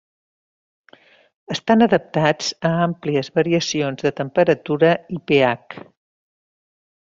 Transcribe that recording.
Estan adaptats a àmplies variacions de temperatura i pH.